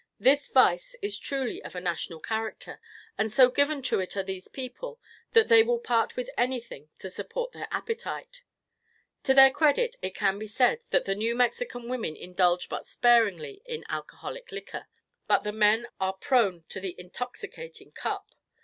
This vice is truly of a national character, and so given to it are these people, that they will part with anything to support their appetite. To their credit it can be said, that the New Mexican women indulge but sparingly in alcoholic liquor; but the men are prone to the intoxicating cup.